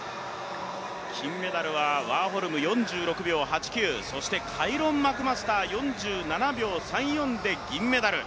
金メダルはワーホルム、４６秒８９、そしてカイロン・マクマスターは４７秒３４で銀メダル。